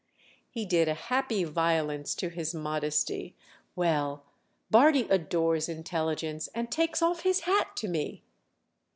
He did a happy violence to his modesty. "Well, Bardi adores intelligence and takes off his hat to me."